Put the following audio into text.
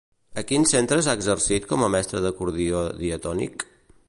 A quins centres ha exercit com a mestra d'acordió diatònic?